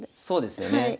そうですよね。